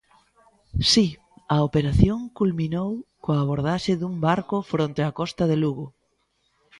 Si, a operación culminou coa abordaxe dun barco fronte á costa de Lugo.